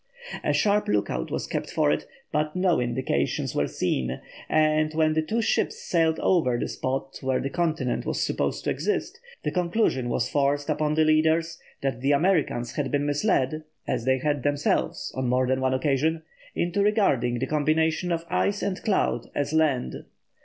A sharp lookout was kept for it, but no indications were seen, and, when the two ships sailed over the spot where the continent was supposed to exist, the conclusion was forced upon the leaders that the Americans had been misled, as they had themselves on more than one occasion, into regarding the combination of ice and cloud as land.